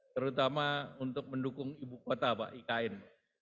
terutama untuk mendukung ibu kota pak ikn